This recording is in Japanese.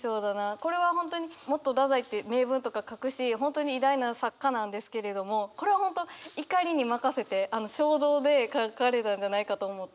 これは本当にもっと太宰って名文とか書くし本当に偉大な作家なんですけれどもこれは本当怒りに任せて衝動で書かれたんじゃないかと思って。